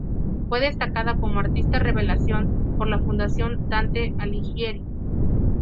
Fue destacada como "Artista Revelación" por la Fundación Dante Alighieri.